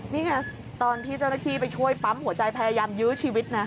นี่ไงตอนที่เจ้าหน้าที่ไปช่วยปั๊มหัวใจพยายามยื้อชีวิตนะ